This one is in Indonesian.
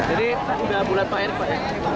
jadi sudah bulat pak erik pak ya